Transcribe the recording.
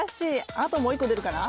あともう一個出るかな？